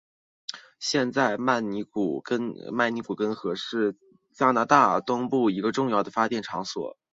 现在曼尼古根湖是加拿大东部一个重要的发电场所。